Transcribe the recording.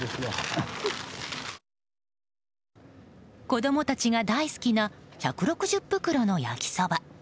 子供たちが大好きな１６０袋の焼きそば。